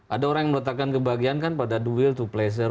ada orang yang meletakkan kebahagiaan kan pada duel to pleasure